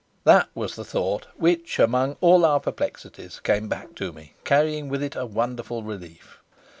That was the thought which, among all our perplexities, came back to me, carrying with it a wonderful relief.